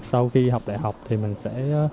sau khi học đại học thì mình sẽ